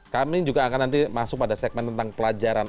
kami juga akan nanti masuk pada segmen tentang pelajaran